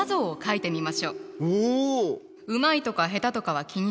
おお。